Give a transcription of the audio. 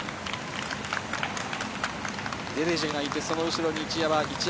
デレッジェがいて、その後ろに一山。